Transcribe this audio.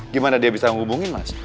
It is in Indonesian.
gimana dia bisa menghubungin mas